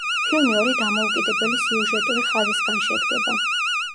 ფილმი ორი დამოუკიდებელი სიუჟეტური ხაზისგან შედგება.